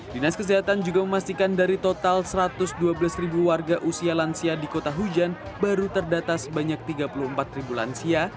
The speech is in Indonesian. dinas kesehatan juga memastikan dari total satu ratus dua belas ribu warga usia lansia di kota hujan baru terdata sebanyak tiga puluh empat ribu lansia